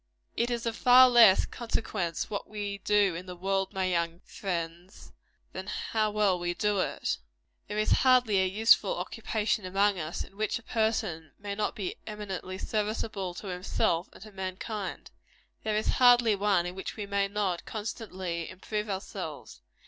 It is of far less consequence what we do in the world, my young friends, than how well we do it. There is hardly a useful occupation among us, in which a person may not be eminently serviceable to himself and to mankind. There is hardly one in which we may not constantly improve ourselves.